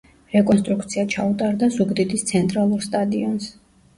რეკონსტრუქცია ჩაუტარდა ზუგდიდის ცენტრალურ სტადიონს.